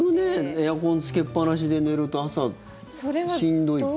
エアコンつけっぱなしで寝ると朝しんどいっていう。